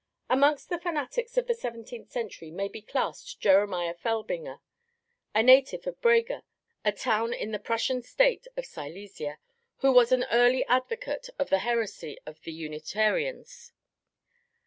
Amongst the fanatics of the seventeenth century may be classed Jeremiah Felbinger, a native of Brega, a town in the Prussian State of Silesia, who was an early advocate of the heresy of the Unitarians.